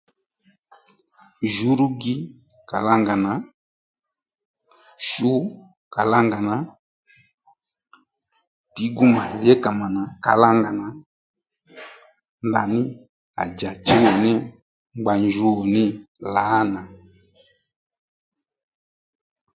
Juwrúgi kalanga nà shu kalangana dǐgu mà lyékà mànà kalangana ndaní à djà chùw ò ní ngba njùw ò ní lǎnà